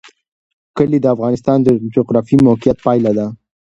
کلي د افغانستان د جغرافیایي موقیعت پایله ده.